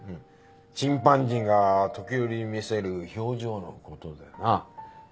チンパンジーが時折見せる表情のことでな。